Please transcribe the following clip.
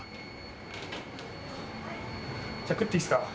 じゃあ食っていいですか？